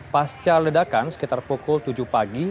pasca ledakan sekitar pukul tujuh pagi